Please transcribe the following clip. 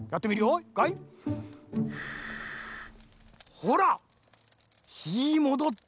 ほらひもどった。